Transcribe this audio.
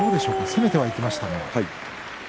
攻めていきましたね。